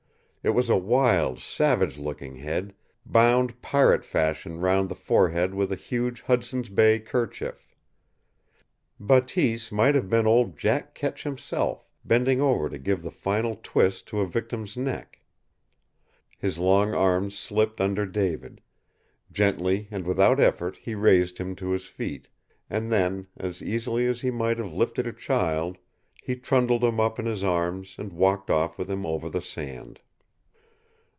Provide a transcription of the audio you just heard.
It was a wild, savage looking head, bound pirate fashion round the forehead with a huge Hudson's Bay kerchief. Bateese might have been old Jack Ketch himself bending over to give the final twist to a victim's neck. His long arms slipped under David. Gently and without effort he raised him to his feet. And then, as easily as he might have lifted a child, he trundled him up in his arms and walked off with him over the sand.